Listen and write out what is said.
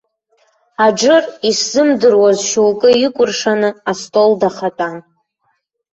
Аџыр исзымдыруаз шьоукы икәыршаны астол дахатәан.